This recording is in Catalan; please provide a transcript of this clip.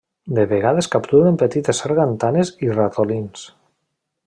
De vegades capturen petites sargantanes i ratolins.